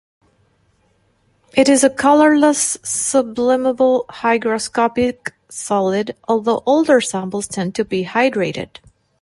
It is a colorless, sublimable hygroscopic solid, although older samples tend to be hydrated.